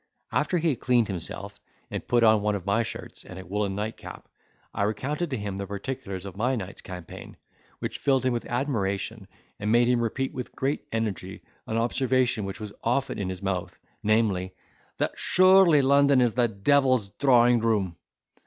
After he had cleaned himself, and put on one of my shirts, and a woollen nightcap, I recounted to him the particulars of my night's campaign, which filled him with admiration, and made him repeat with great energy an observation which was often in his mouth, namely, 'that surely London is the devil's drawing room.